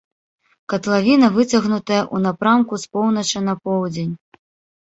Катлавіна выцягнутая ў напрамку з поўначы на поўдзень.